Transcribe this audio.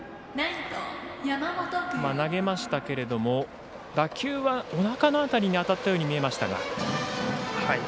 投げましたけれども、打球はおなかの辺りに当たったように見えましたが。